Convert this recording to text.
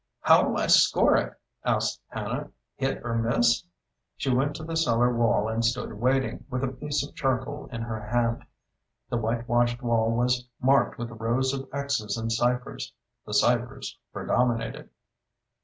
"How'll I score it?" asked Hannah. "Hit or miss?" She went to the cellar wall and stood waiting, with a piece of charcoal in her hand. The whitewashed wall was marked with rows of X's and ciphers. The ciphers predominated.